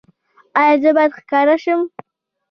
ایا زه باید ښکاره شم؟